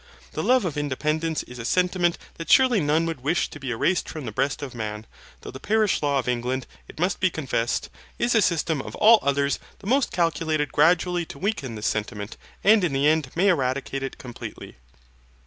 The love of independence is a sentiment that surely none would wish to be erased from the breast of man, though the parish law of England, it must be confessed, is a system of all others the most calculated gradually to weaken this sentiment, and in the end may eradicate it completely.